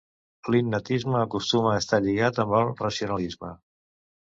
L'innatisme acostuma a estar lligat amb el racionalisme.